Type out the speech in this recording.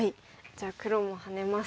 じゃあ黒もハネます。